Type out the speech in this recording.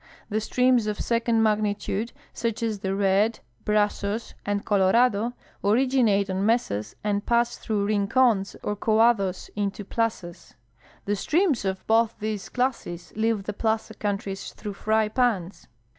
The streams of second magnitude, such as the Red, Brazos, and Colorado, originate on mesas and pass through rincons or quohados into plazas. The streams of both these classes leave the plaza countries through fry pans.